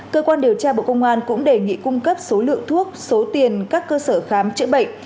cơ quan điều tra bộ công an cũng đề nghị cung cấp số lượng thuốc số tiền các cơ sở khám chữa bệnh